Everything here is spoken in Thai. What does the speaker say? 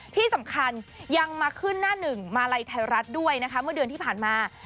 ที่สำคัญยังมาขึ้นหน้าหนึ่งมาลัยไทยรัฐด้วยนะคะเมื่อเดือนที่ผ่านมา